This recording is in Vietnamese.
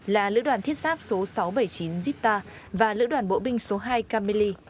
là lữ đoàn thiết sáp số sáu trăm bảy mươi chín jibta và lữ đoàn bộ binh số hai kamaly